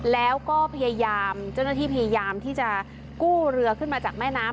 แล้วก็พยายามเจ้าหน้าที่พยายามที่จะกู้เรือขึ้นมาจากแม่น้ำ